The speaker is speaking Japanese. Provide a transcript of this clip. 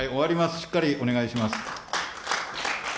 しっかりお願いします。